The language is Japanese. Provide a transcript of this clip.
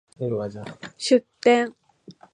出店